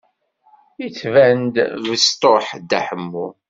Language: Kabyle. Yettban-d besṭuḥ Dda Ḥemmu.